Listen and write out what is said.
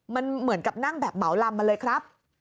มันเหมือนกับนั่งแบบเหมาลำมาเลยครับ